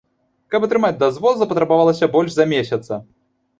Каб атрымаць дазвол, запатрабавалася больш за месяца.